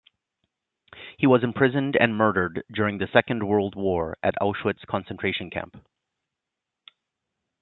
He was imprisoned and murdered during the Second World War at Auschwitz concentration camp.